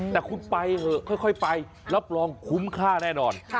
แต่คุณไปเถอะค่อยไปรับรองคุ้มค่าแน่นอน